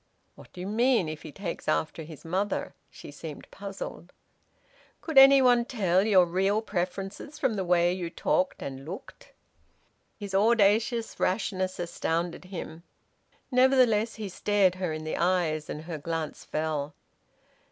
"What do you mean `if he takes after his mother'?" She seemed puzzled. "Could anyone tell your real preferences from the way you talked and looked?" His audacious rashness astounded him. Nevertheless he stared her in the eyes, and her glance fell.